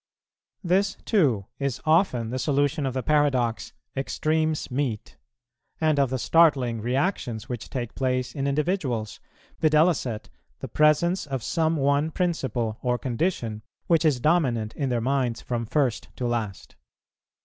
This, too, is often the solution of the paradox "Extremes meet," and of the startling reactions which take place in individuals; viz., the presence of some one principle or condition, which is dominant in their minds from first to last.